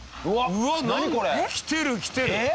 これ。来てる来てる！